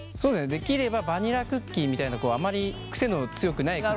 できればバニラクッキーみたいなあまりクセの強くないクッキーの方が。